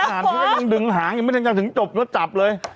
อ่านที่ยังดึงหลางยังไม่ได้เจอถึงจบแล้วจับเลย